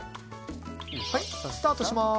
はいスタートします。